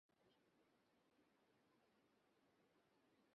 সারাক্ষণ বাচ্চা বুকের নিচে আড়াল করে রাখে।